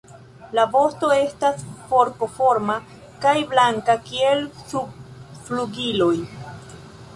La vosto estas forkoforma kaj blanka kiel subflugiloj.